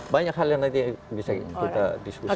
banyak hal yang nanti bisa kita diskusikan